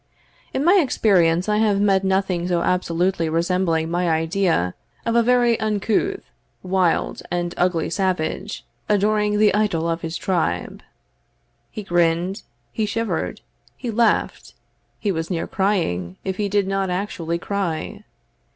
In my experience I have met nothing so absolutely resembling my idea of a very uncouth, wild, and ugly savage, adoring the idol of his tribe. He grinned, he shivered, he laughed, he was near crying, if he did not actually cry.